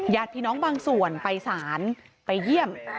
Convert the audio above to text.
ญาติพี่น้องบางส่วนไปศาลไปเยี่ยม